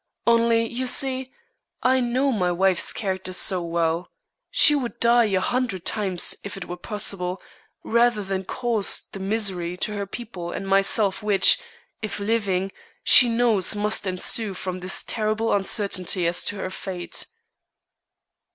Only, you see, I know my wife's character so well. She would die a hundred times if it were possible rather than cause the misery to her people and myself which, if living, she knows must ensue from this terrible uncertainty as to her fate."